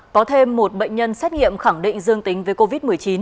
có thêm một bệnh nhân xét nghiệm khẳng định dương tính với covid một mươi chín